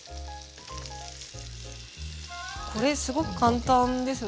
これすごく簡単ですね。